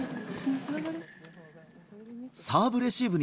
サーブレシーブ。